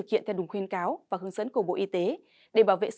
chào và hẹn gặp lại